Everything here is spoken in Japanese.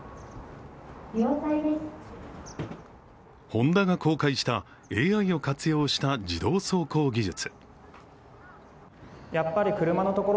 ホンダが公開したＡＩを活用した自動走行技術。